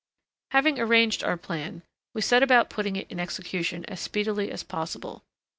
Having arranged our plan, we set about putting it in execution as speedily as possible.